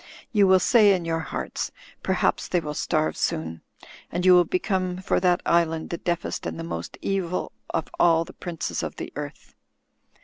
You will say in your hearts: Terhaps they will starve soon'; and you will become, for that island, the deafest and the most evil of all the princes of the earth."